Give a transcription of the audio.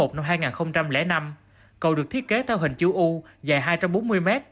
cầu năm hai nghìn năm cầu được thiết kế theo hình chữ u dài hai trăm bốn mươi mét